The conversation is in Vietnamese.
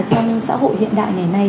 trong xã hội hiện đại ngày nay